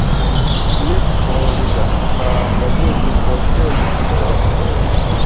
مِٹھوۡ کھؤں (رِزق) آں مزیُوں دی پون٘شېلوۡ باغ ہو تُھو۔